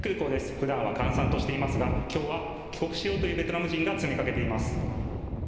ふだんは閑散としていますが、きょうは帰国しようというベトナム人が詰めかけています。